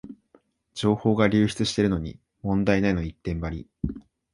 情報が流出してるのに問題ないの一点張り